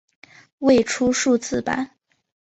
未出数字版。